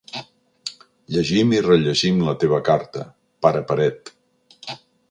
Llegim i rellegim la teva carta, pare paret.